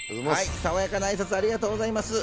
さわやかな挨拶、ありがとうございます。